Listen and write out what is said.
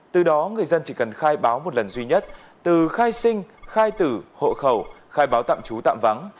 từ đó người dân chỉ cần khai báo một lần duy nhất từ khai sinh khai tử hộ khẩu khai báo tạm trú tạm vắng